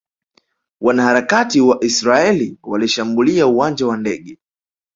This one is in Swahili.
Wanaharakati wa Israeli walishambulia uwanja wa ndege